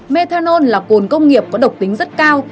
methanol là cồn công nghiệp có độc tính rất cao